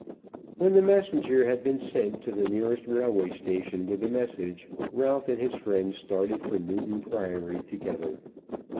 When the messenger had been sent to the nearest railway station with the message, Ralph and his friend started for Newton Priory together.